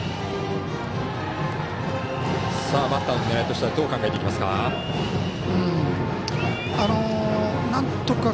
バッターの狙いとしてはどう考えていきますか。